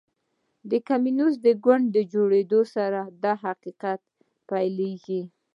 د کمونیسټ ګوند جوړېدو سره د حقیقت سفر پیلېږي.